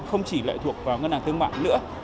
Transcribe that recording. không chỉ lợi thuộc vào ngân hàng thương mạng nữa